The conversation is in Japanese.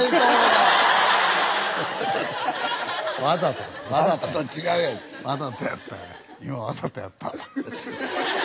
今わざとやった。